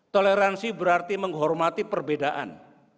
toleransi berarti menghormati perbedaan